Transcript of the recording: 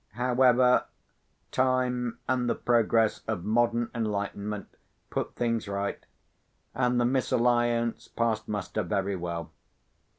However, Time and the progress of modern enlightenment put things right; and the misalliance passed muster very well.